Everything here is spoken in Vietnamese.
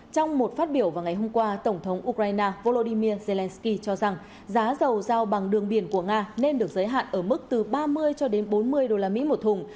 trong một phát biểu vào ngày hôm qua tổng thống ukraine volodymyr zelensky cho rằng giá dầu giao bằng đường biển của nga nên được giới hạn ở mức từ ba mươi cho đến bốn mươi usd một thùng